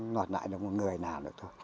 ngọt lại được một người nào được thôi